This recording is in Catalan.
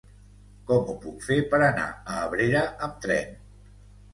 Com ho puc fer per anar a Abrera amb tren?